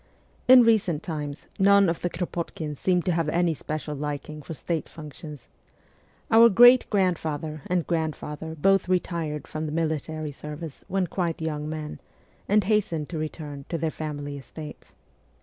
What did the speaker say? In recent times, none of the Kropotkins seem to have had any special liking for state functions. Our great grandfather and grandfather both retired from the military service when quite young men, and hastened to return to their family estates.